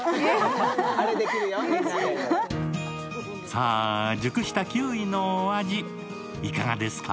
さあ、熟したキウイのお味、いかがですか？